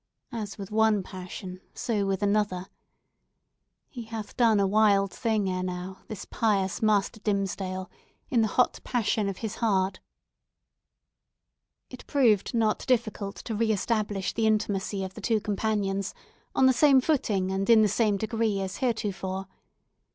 As with one passion so with another. He hath done a wild thing ere now, this pious Master Dimmesdale, in the hot passion of his heart." It proved not difficult to re establish the intimacy of the two companions, on the same footing and in the same degree as heretofore.